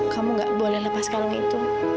kamu gak boleh lepas kalau itu